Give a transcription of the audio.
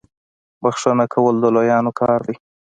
بخښنه کول د لویانو کار دی.